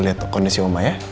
liat kondisi oma ya